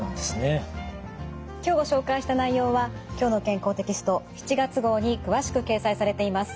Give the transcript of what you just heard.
今日ご紹介した内容は「きょうの健康」テキスト７月号に詳しく掲載されています。